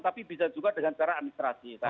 tapi bisa juga dengan cara administrasi